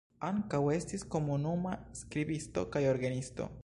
Ankaŭ estis komunuma skribisto kaj orgenisto.